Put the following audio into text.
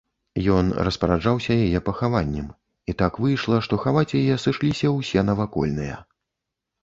Ён распараджаўся яе пахаваннем, і так выйшла, што хаваць яе сышліся ўсе навакольныя.